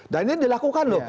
dan ini dilakukan loh